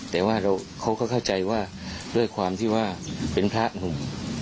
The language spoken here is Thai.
แต่ว่าเขาก็เข้าใจว่าด้วยความที่ว่าเป็นพระหนุ่ม